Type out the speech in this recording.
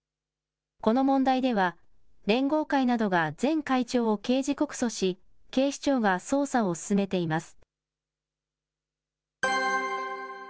この問題では、連合会などが前会長を刑事告訴し、警視庁が捜査を進めています。